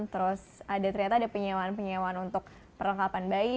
terus ada ternyata ada penyewaan penyewaan untuk perlengkapan bayi